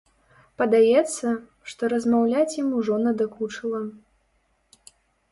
Падаецца, што размаўляць ім ужо надакучыла.